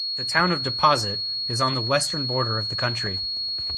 The town of Deposit is on the western border of the county.